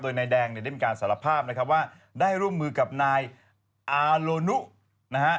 โดยนายแดงเนี่ยได้มีการสารภาพนะครับว่าได้ร่วมมือกับนายอาโลนุนะฮะ